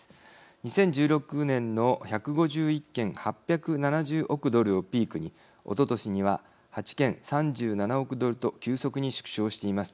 ２０１６年の１５１件８７０億ドルをピークにおととしには８件３７億ドルと急速に縮小しています。